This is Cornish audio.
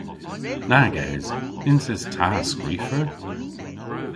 Nag es! Nyns es ta skrifer.